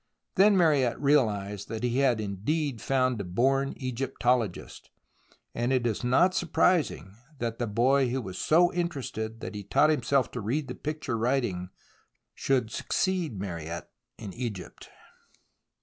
Then Mariette realized that he had indeed found a born Egyptologist, and it is not surprising that the boy who was so interested that he taught himself to read the picture writing should succeed Mariette in Egypt.